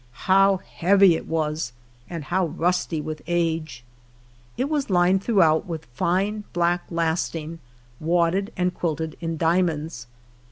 How heavy it was, and how rusty with age ! It was lined throughout with line black lasting, .wadded and quilted in diamonds.